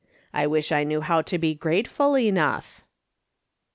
I wish I knew how to be grateful enough."